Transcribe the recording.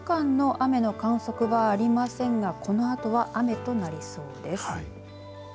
この１時間の雨の観測はありませんがこのあとは雨となりそうです。